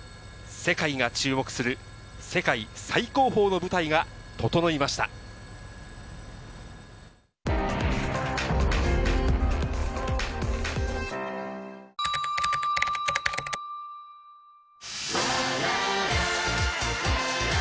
世界が注目する、世界最高峰の舞台が整いました。